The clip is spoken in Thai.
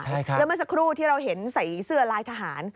แล้วเมื่อสักครู่ที่เราเห็นใส่เสื้อลายทหาร